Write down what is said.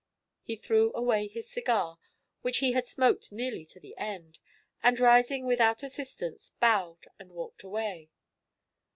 He threw away his cigar, which he had smoked nearly to the end, and rising without assistance, bowed and walked away.